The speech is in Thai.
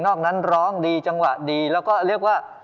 อกนั้นร้องดีจังหวะดีแล้วก็เรียกว่า